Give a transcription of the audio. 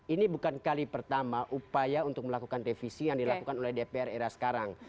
ini bukan kali pertama upaya untuk melakukan revisi yang dilakukan oleh dpr era sekarang